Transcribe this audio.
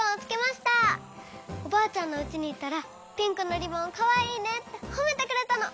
おばあちゃんのうちにいったらピンクのリボンかわいいねってほめてくれたの。